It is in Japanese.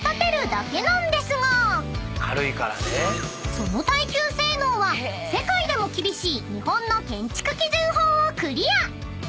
［その耐久性能は世界でも厳しい日本の建築基準法をクリア］